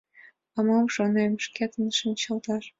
А мом, шонем, шкетын шинчылташ?